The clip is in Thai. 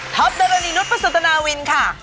ทับเดิมรณีนุษย์ประสุทธนาวินค่ะ